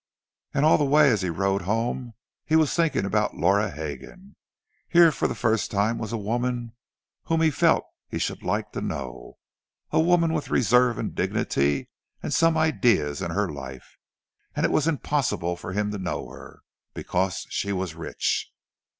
And all the way as he rode home he was thinking about Laura Hegan. Here for the first time was a woman whom he felt he should like to know; a woman with reserve and dignity, and some ideas in her life. And it was impossible for him to know her—because she was rich!